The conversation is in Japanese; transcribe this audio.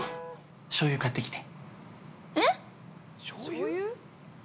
しょうゆ買ってきて。